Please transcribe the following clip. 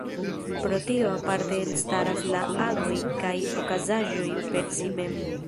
Pro tio aparte elstaras la agoj kaj okazaĵoj per si mem.